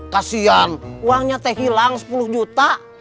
kasian uangnya teh hilang sepuluh juta